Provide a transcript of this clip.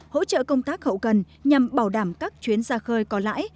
hỗ trợ công tác hậu cần nhằm bảo đảm các chuyến ra khơi có lãi